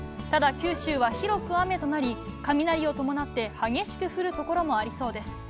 ただ、九州は広く雨となり、雷を伴って激しく降る所もありそうです。